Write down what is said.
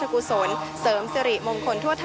พาคุณผู้ชมไปติดตามบรรยากาศกันที่วัดอรุณราชวรรมมหาวิหารค่ะ